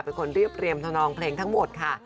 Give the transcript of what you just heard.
เป็นคนเรียบเรียมทำนองเพลงทั้งหมดค่ะ